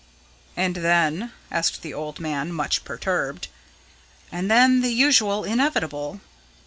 "And then?" asked the old man, much perturbed. "And then the usual inevitable.